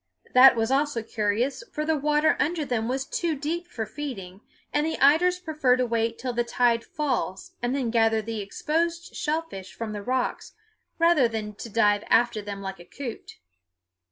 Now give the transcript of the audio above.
That was also curious, for the water under them was too deep for feeding, and the eiders prefer to wait till the tide falls and then gather the exposed shellfish from the rocks, rather than to dive after them like a coot.